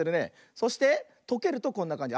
そしてとけるとこんなかんじ。